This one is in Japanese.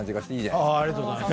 ありがとうございます。